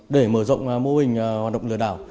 để mở rộng mô hình hoạt động lừa đảo